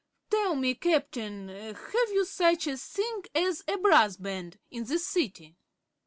"Tell me, Captain, have you such a thing as a Brass Band in this City?"